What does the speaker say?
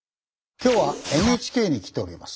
今日はＮＨＫに来ております。